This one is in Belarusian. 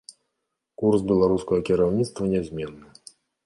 Курс беларускага кіраўніцтва нязменны.